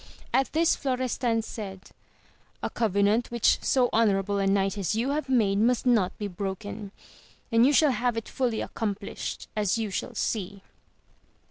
At this Florestan said, A covenant which so honourable a knight as you have made must not be broken, and you shall have it fully accomplished as you shall see.